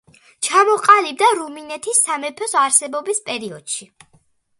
ჩამოყალიბდა რუმინეთის სამეფოს არსებობის პერიოდში.